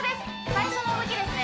最初の動きですね